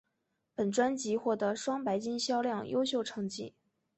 本专辑获得双白金销量优秀成绩。